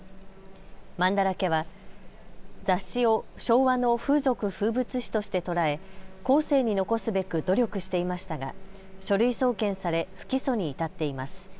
まんだらけは雑誌を昭和の風俗・風物史として捉え後世に残すべく努力していましたが書類送検され不起訴に至っています。